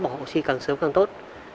hồ si càng sớm càng tốt